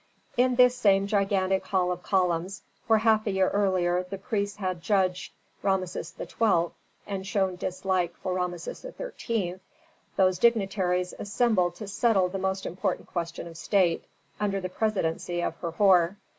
In this same gigantic hall of columns, where half a year earlier the priests had judged Rameses XII., and shown dislike for Rameses XIII., those dignitaries assembled to settle the most important question of state, under the presidency of Herhor.